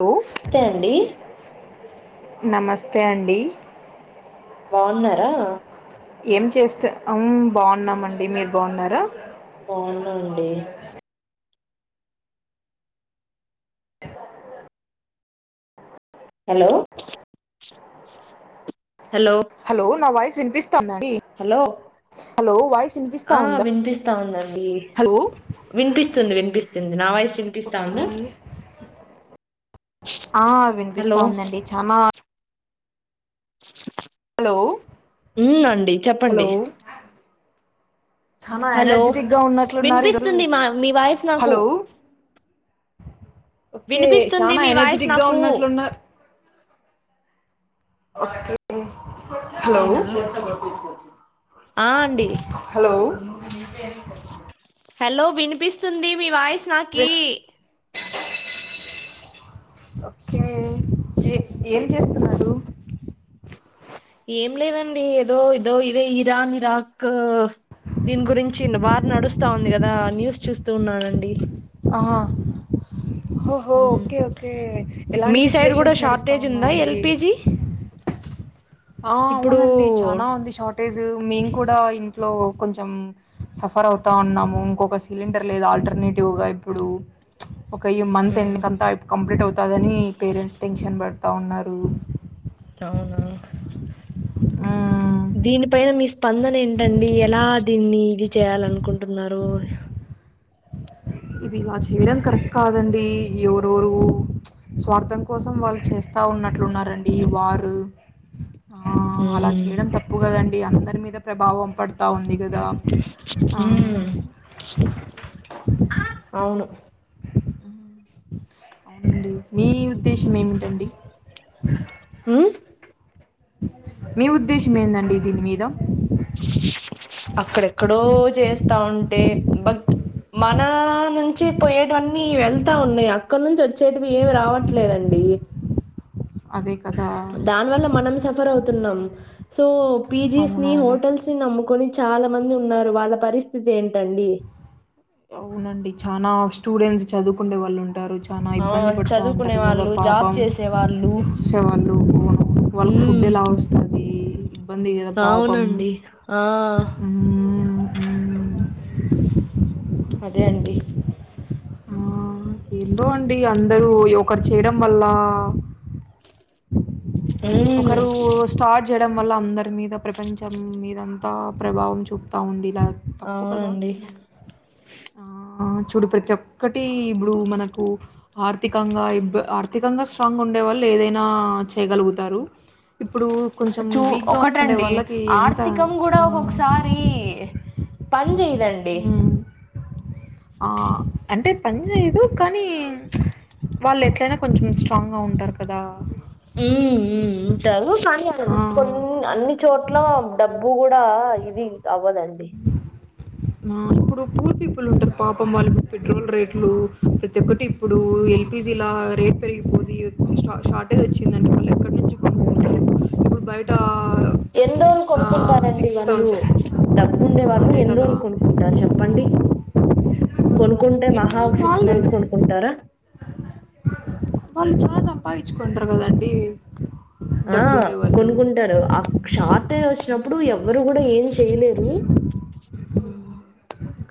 Hello నమస్తే అండి. నమస్తే అండి. బాగున్నారా. ఏం చేస్తే. మ్మ్ బాగున్నామండి మీరు బాగున్నారా అవునండి. హలో హలో నా వాయిస్ వినిపిస్తాందండి. హలో హలో వాయిస్ వినిపిస్తా ఆ ఉందా వినిపిస్తా ఉందండి. హలో వినిపిస్తుంది. వినిపిస్తు నా వాయిసు వినిపిస్తా ఓకే ఉందా ఆ హలో వినిపిస్తా ఉందండి. చానా హలో ఉ అండి చెప్పండి. హలో చాలా హలో ఎనర్జెటిక్ గా ఉన్నట్లున్నారు ఈరోజు వినిపిస్తుంది మా మీ వాయిస్ నాకు హలో ఓకే వినిపిస్తుంది చాలా మీ వాయిస్ ఎనర్జెటిక్ గా నాకు ఉన్నట్లున్నారు. Okay hello. నేనా ఆ అండి హలో [unintelligible] హలో వినిపిస్తుంది. మీ వాయిస్ నాకీ ఓకే ఏ ఏం చేస్తున్నారు. ఏం లేదండి. ఏదో ఏదో ఇదే ఇరాన్ ఇరాక్ దీని గురించి వార్ నడుస్తా ఉంది కదా. న్యూస్ చూస్తూ ఉన్నానండి. ఆహ ఓహో మ్మ్. Okay okay. ఎలాంటి మీ సైడ్ కూడా సిచ్యువేషన్స్ నడుస్తా షార్టేజ్ ఉందా ఉన్నాయండి. ఎల్పిజి [inaudible] ఆ ఇప్పుడు అవునండి. చానా ఉంది షార్టేజ్. మేము కూడా ఇంట్లో కొంచెం సఫర్ అవుతా ఉన్నాము ఇంకొక సిలిండర్ లేదు ఆల్టర్ నీటిగా ఇప్పుడు ఒక మంత్ ఎండ్ మ్మ్. కంతా కంప్లీట్ అవుతదని పేరెంట్స్ టెన్షన్ పెడతా ఉన్నారు అవునా హ్మ్. దీనిపైన మస్ స్పందన ఏంటండి ఎలా దీన్ని ఇది చేయాల అనుకుంటున్నారు ఇది ఇలా చేయడం కరెక్ట్ కాదండి ఎవరెరు స్వార్థం కోసం వాళ్ళు చేస్తా ఉన్నట్లు ఉన్నారండి వారు ఆ ఉ అలా చేయడం తప్పు కదండి అందరి మీద ప్రభావం పడతా ఉంది కదా ఆ హ అవును అవునండి మీ ఉద్దేశం ఏమిటండి హ మీ ఉద్దేశం ఏందండి దీని మీద అక్కడెక్కడో చేస్తా ఉంటే బట్ మన నుంచి పోయేటువంటి వెళ్తా ఉన్నాయి అక్కడ నుంచి వచ్చేటివి ఏమి రావట్లేదండి అదే కదా దాని వల్ల మనం సఫర్ అవుతున్నాం సో పీజీస్ ని అవునవును హోటల్స్ ని నమ్ముకొని చాలా మంది ఉన్నారు వాళ్ళ పరిస్థితి ఏంటి అవునండి చనా స్టూడెంట్స్ చదువుకుండే వాళ్ళు ఉంటారు చాలా ఆ ఇబ్బంది పడుతా చదువుకునే ఉంటారు కదా వాళ్ళు జాబ్ చేసే వాళ్ళు పాపంర వాళ్ళు వాళ్ళకి ఫుడ్ ఉమ్ వస్తా ఇబ్బంది కథ పాపం అవునండి ఆ అదే అండి ఆ ఏందో అండి అందరుూ ఒకరు చేయడం వల్ల ఉమ్ ఒకరు స్టార్ట్ చేయడం వల్ల అందరి మీద ప్రపంచం మీద అంతా ప్రభావం చూపుతా ఉంది ఇలా తప్పు కదా అవునండి చాలా చూడు ప్రతి ఒక్క ఒకటి ఇప్పుడు మనకు ఆర్థికంగా ఇబ్బ ఆర్థికంగా స్ట్రాంగ్ ఉండేవాళ్ళు ఏదైనా చేయగలుగుతారు ఇప్పుడు కొంచెం చూ వీక్గా ఉండే ఒకటండి వాళ్ళకి ఎంత ఆర్థికం కూడా ఆ, ఒకొక్కసారి పని చేయదండి మ్మ్, ఆ అంటే పని చేయదు కానీ వాళ్ళు ఎట్లయినా కొంచెం స్ట్రాంగ్ గా ఉంటారు కదా హ్మ్ హ్మ్ ఉంటారు కానీ ఆ, కొన్ని అన్ని చోట్ల డబ్బు గూ డ ఇది అవ్వదండి ఆ ఇప్పుడు పూర్ పీపుల్ ఉంటరు పాపం వాళ్ళ పెట్రోల్ రేట్లు ప్రతి ఒక్కటి ఇప్పుడు ఎల్పిజీ లా రేట్ పెరిగిపోది షార్టేజ్ వచ్చిందం మళ్ళ ఎక్కడ నుంచి కొ హ్మ్ ఇప్పుడు బయట ఎన్ని రోజులు కొనుక్కుంటారండి సిక్స్ వాళ్ళు థౌజండ్ డబ్బు ఉండే వాళ్ళు అదే ఎన్ని కదా రోజు కొనుక్కుంటారు చెప్పండి కొనుకుంటే ఎన్- మహా ఒక సిక్స్ వాళ్ళే మంత్స్ కొనుకుంటారా పయించుకుంటారు కదండి ఆ డబ్బు ఉండే వాళ్ళు కొనుకుంటారు ఆ షార్టెజ్ వచ్చినప్పుడు ఎవ్వరు కూడా ఏం చేయలేరు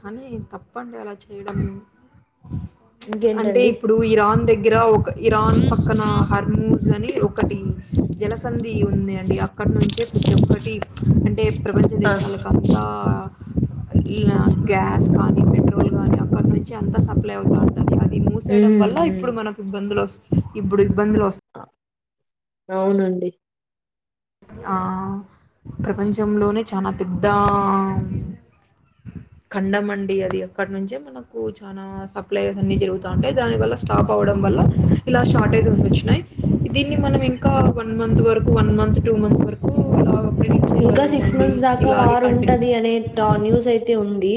కానీ తప్పండి అలా చేయడం అంటే ఇంకేంటండి ఇప్పుడు ఇరాన్ దగ్గర ఒక ఇరాన్ పక్కన హర్మూజ్ అని ఒకటి జలసంధి ఉంది అండి అక్కడ నుంచే ప్రతి ఒక్కటి అం టే ప్రపంచ ఆ దేశాలకు అంతా గ్యాస్ కానీ పెట్రోల్ కానీ అక్కడ నుంచి అంత సప్లై అవుతా అ అది మూసేయడం ఉమ్ వల్ల ఉమ్ ఇప్పుడు మనకు ఇబ్బందులు వస్ ఇప్పుడు ఇబ్బందులు వస్ అవునండి ఆ ప్రపంచంలోనే చానా పెద్ద కండమండి అది అక్కడ నుంచే మనకు చాలా సప్లైస్ అన్ని జరుగుతా ఉంటాయి దాని వల్ల స్టాప్ అవడం వాళ్ళ ఇలా షార్టెజ్స్ వచ్చినాయి దీన్ని మనం ఇంకా వన్ మంత్ వరుకు వన్ మంత్ టూ మంత్స్ వరకు లావం ఇంకా సిక్స్ మంత్స్ దాకా వార్ కంటిన్యూ ఉంటది అనే ట న్యూస్ అయితే ఉంది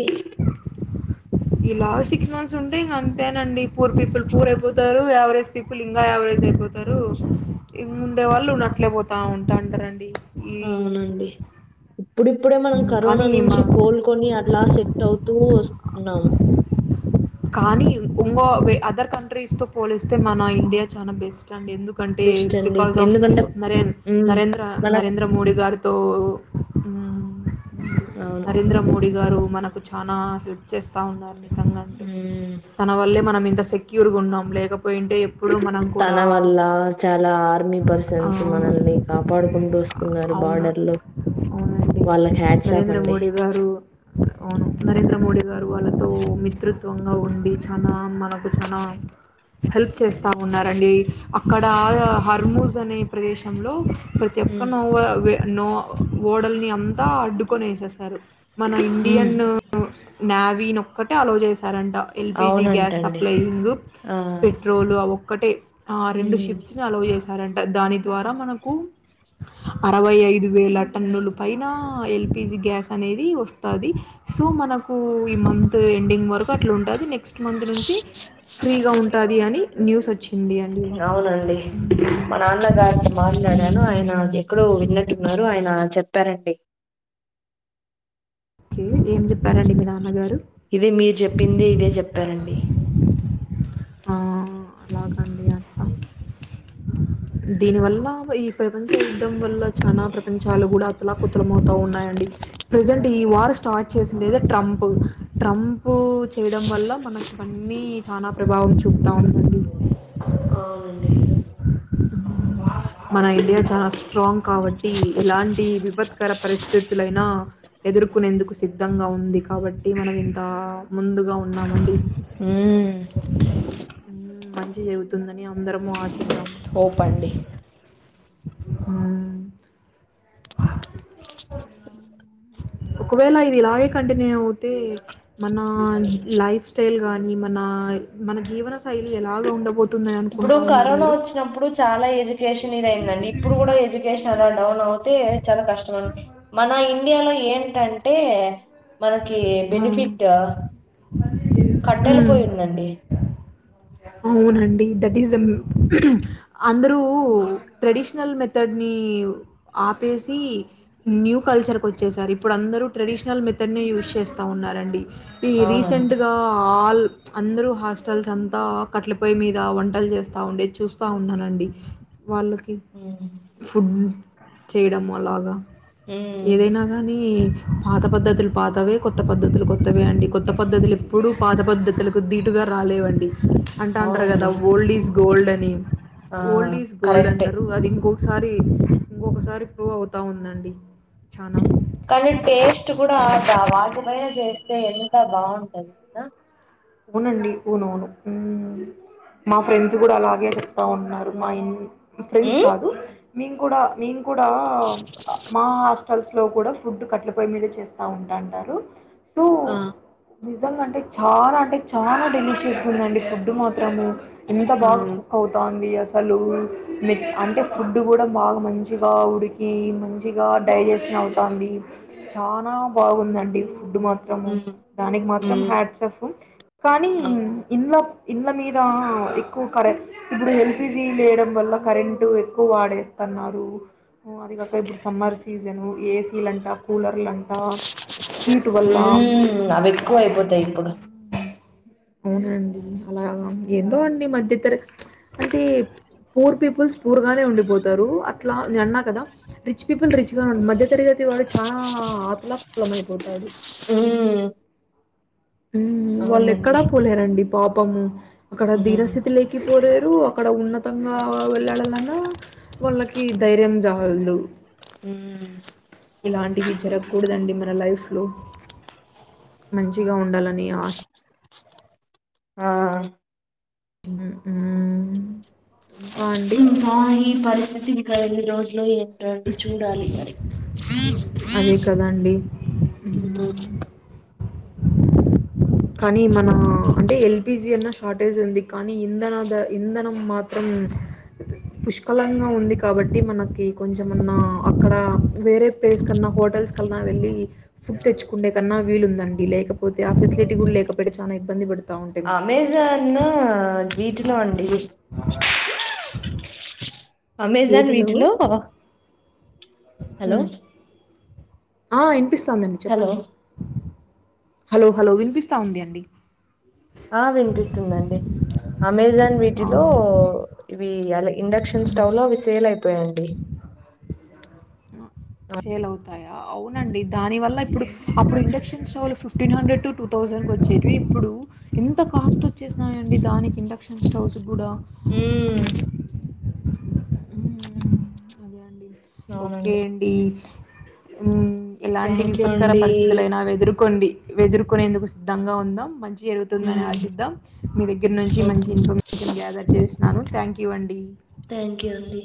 ఈ లాస్ట్ సిక్స్ మంత్స్ ఉంటే ఇంగ అంతేనండి పూర్ పీపుల్ పూర్ అయిపోతారు యావరేజ్ పీపుల్ ఇంకా యావరేజ్ సయిపోతారు ఇంగ ఉండే వాళ్ళు అట్లేపోతా ఉంటాంటారండి అవునండి ఇప్పుడు ఇప్పుడే మనం కరోనా కానీ నుంచి మన కోలుకొని అట్లా సెట్ అవుతూ వస్తున్నాము కానీ ఇంగో అదర్ కంట్రీస్ తో పోలిస్తే మన ఇండియా చాలా బెస్ట్ ఎందుకంటే బెస్ట్ అండి బికాస్ ఆఫ్ ఎందుకంటే నరేం ఉమ్ నరేంద్ర మన నరేంద్ర మోడీ గారితో హ్మ్ అవును నరేంద్ర మోడీ గారు మనకు చనా హెల్ప్ చేస్ [unintelligible] నిజంగా అండి ఉమ్ తన వల్లే మనం ఇంత సెక్యూర్ గా ఉన్నాం లేక పోయింటే ఎప్పుడు మనం కూడా తన వల్ల చాలా ఆర్మీ ఆ పర్సన్స్ మనల్ని కాపాడుకుంటూ వస్తున్నారు అవును బార్డర్ లో అవునండి వాళ్ళకి హ్యాట్స్ ఆఫ్ నరేంద్ర అండి మోడీ గారు అవును నరేంద్ర మోడీ గారు వాళ్ళతో మిత్రుత్వంగా ఉండి చనా మనకు చనా హెల్ప్ చేస్తా ఉన్నరండి అక్కడ హర్మూజ్ అనే ప్రదేశంలో ప్రతి ఒక్క ఉమ్ నోవ నో ఓడల్ని అంతా అడ్డుకొని వేసేసారు మన ఉమ్ ఇండియన్ నావి ని ఒక్కటే అలో చేస్ సరంట ఎల్పిజి గ్యాస్ అవునంటండి సప్లై ఇంగు ఆ పెట్రోలు ఆ ఒక్కటే ఆ రెండు ఉమ్ షిప్స్ ని అలో చేశారంట దాని ద్వారా మనకు అరవై ఐదు వేల టన్నుల పైన ఎల్పిజి గ్యాస్ అనేది వస్తది సో మనకు ఈ మంత్ ఎండింగ్ వరకు అట్లా ఉంటది నె నెక్స్ట్ మంత్ నుంచి ఫ్రీగా ఉంటది అని న్యూస్ వచ్చింది అండి అవునండి మా నాన్నగారితో మాట్లాడాను మ్మ్ ఆయన చె ఎక్కడో విన్నట్టున్నారు ఆయన చెప్పారండి కి ఏం చెప్ ఇదే మీరు చెప్పిందే ఇదే చెప్పారండి ఆ అలాగండి అట్లా దీనివల్ల ఈ ప్రపంచ యుద్ధం వల్ల చానా ప్రపంచాలు కూడా అతలాపకుతలమవుతా ఉన్నాయండి ప్రజెంట్ ఈ వార్ స్టార్ట్ చేసిండేదే ట్రంప్ ట్రంప్ చేయడం వల్ల మనకి ఇవన్నీ చానా ప్రభావం చూపుతా ఉందండి అ మన ఇండియా చాలా స్ట్రాంగ్ కాబట్టి ఎలాంటి విపత్కర పరిస్థితులైనా ఎదు ఎరుకునేందుకు సిద్ధంగా ఉంది కాబట్టి మనం ఇంతా ముందుగా ఉన్నామండి హ్మ్ హ్మ్ మంచి జరుగుతుందని అందరము ఆశిద్దాం ోపాండే హ్మ్ ఒకవేళ ఇది ఇలాగే కంటిన్యూ అవుతే మన లైఫ్ స్టైల్ గాని మన మన జీవన శైలి ఎలాగా ఉండబో ఇప్పుడు కరోనా వచ్చినప్పుడు చాలా ఎడ్యుకేషన్ ఇది అయిందండి ఇప్పుడు కూడా ఎడ్యుకేషన్ అలా డౌన్ అవుతే చాలా కష్టం అండి మన ఇండియాలో ఏంటంటే మనకి ఆ. బెనిఫిట్ కట్టెల మ్మ్. పొయ్యి ఉందండి అవునండి దట్ ఈస్ ద అందరూ ట్రెడిషనల్ మెథడ్ ని ఆపేసి న్యూ కల్చర్ కు వచ్చేశారు ఇప్పుడుందరూ ట్రెడిషనల్ మెథడ్ నే యూస్ చేస్తా ఉన్నారండి ఈ అవునండి రీసెంట్గా ఆల్ అందరూ హాస్టల్స్ అంతా కట్లపొయ్యి మీద వంటలు చేస్తా ఉండే చూస్తా ఉన్నానండి వాళ్ళకి మ్మ్ ఫుడ్ చేయడము అలాగా మ్మ్ ఏదైనా కానీ పాత పద్ధతులు పాతవే కొత్త పద్ధతులు కొత్తవే అండి కొత్త పద్ధతులు ఎప్పుడు పాత పద్ధతులకు దీటుగా రాలేవండి అంటా అంటారు కదా అవునండి ఓల్డ్ ఈజ్ గోల్డ్ అని ఆ ఓల్డ్ ఈజ్ గోల్డ్ కరెక్టే అంటారు అది ఇంకొ సారి ఇంకొకసారి ప్రూవ్ అవుతా ఉందండి చాలా కానీ టేస్ట్ కూడాదా వాటిపైైన చేస్త [unintelligible] అే ఎంత బాగుంటది [unintelligible] అవునండి అవునువును మా ఫ్రెండ్స్ కూడా అలాగే చెప్తా ఉన్నారు మా ఇ ఫ్రెండ్స్ కాదు మేం కూడా మేం కూడా మా హోటల్స్ లో కూడా ఫుడ్ కట్ల పోయి మీద చేస్తా ఉంటాంటారు సో, ఆ నిజంగా అంటే చాలా అంటే చాలా డెలిషియస్గా ఉందండి ఫుడ్ మా త్రము ఎంత ఆ బాగా కుక్ అవుతాంది అస సలు మి అంటే ఫుడ్ కూడా బాగా మంచిగా ఉడికి మంచిగా డైజెస్ట్ అవుతాంది చానా బాగుందండి ఫుడ్ మాత్రము దానికి మాత్రం మ్మ్ హ్యాట్సాఫ్ కానీ ఇ ఇళ్ల మీద ఎక్కువ కరెంట్ ఇప్పుడు ఎల్పిజీ లేయడం వల్ల కరెంట్ ఎక్కువ పడేస్తన్నారు అది కాక ఇప్పుడు సమ్మర్ సీజను ఏసీలంట కూలర్లంట హీట్ వల్ల హ్మ్మ్ అవి ఎక్కువ అయిపోతాయి ఇప్పుడు అవునండి అలా ఏందో అండి మధ్యతర అంటే పూర్ పీపుల్స్ పూరుగానే ఉండిపోతారు అట్లా నే అన్నా కదా రిచ్ పీపుల్ రిచ్ గా ఉ మధ్య తరగతి ప్రతి వాడు చాలా ఆతలా కుతలం అయిపోతాడు హ్మ్మ్ అ వాళ్ళు ఎక్కడా పోలేరండి పాపము అక్కడ మ్మ్ దిరస్థితి లేకి పోలేరు అక్కడ ఉన్నతంగా వెళ్ళడాలన్నా [unintelligible] వాళ్ళకి ధైర్యం చాలదు ఉ ఇలాంటి విజ జరగకూడదండి మన లైఫ్ లో మంచిగా ఉండాలని ఆశ ఆ ఉహూ బా ఈ పరిస్థితి ఇంకా ఎన్ని రోజులో ఏమో ట్టడి చూడాలి అ అదే కదండీ! హ్మ్. కానీ మనం అంటే ఎల్పిజీ అన్నా షార్టేజ్ ఉంది కానీ ఇంధన ఇంధనం మాత్రం అ పుష్కలంగా ఉంది కాబట్టి మనకి కొంచమన్నా అక్కడ వేరే ప్లేస్ కన్నా హోటల్స్ కన్నా వెళ్ళి ఫుడ్ తెచ్చుకుంటే కన్నా వీలుందండి లేకపోతే ఆఫీస్ కూడా లేకపోతే చాలా ఇబ్బంది పడుత అమెజాను వీటిలో అండి అమెజాన్ వేటిలో వీటిలో హలో హ్మ్. ఆ వినిపిస్తాందిండి హలో చెప్పండి హలో హలో వినిపిస్తా ఉంది అండి ఆ వినిపిస్తుందండి అమెజాన్ వీటిలో ఆ! ఇవి అలా ఇండక్షన్ స్టవ్ లో అవి సేల్ అయిపోయండి సేల్ అవుతాయ అవునండి దాని వల్ల ఇప్పుడు అప్పుడు induction stove fifteen hundred to two thousand వచ్చేవి ఇప్పుడు ఎంత కాస్ట్ వచ్చేసినయిడి దానికి ఇండక్షన్ స్టవ్స్ కూడా మ్ మ్మ్ అదే అండి ఓకే అవునండి అండి ఎలాంటి థ్యాంక్ యూ విపత్కర అండి పరిస్థితుల అైనా ఎదుర్కొండి ఎదుర్కొనేందుకు సిద్ధంగా ఉందాం మంచి జరుగుతుందని ఉమ్ ఆశిద్దాం మీ దగ్గర నుంచి ఓకే మంచి ఇన్ఫర్మేషన్ గ్యాదర్ చేసినాను థ్యాంక్ యూ అండి థ్యాంక్ యూ అండి